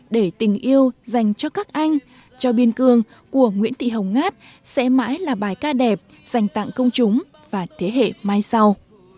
để tình yêu dành cho các anh cho biên cương của nguyễn thị hồng ngát sẽ mãi là bài ca đẹp dành tặng công chúng và thế hệ mai sau